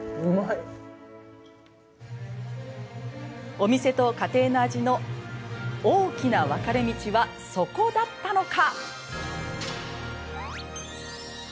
お店と家庭の味の大きな分かれ道はそこだったのか。